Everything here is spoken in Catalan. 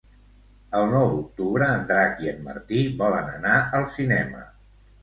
El nou d'octubre en Drac i en Martí volen anar al cinema.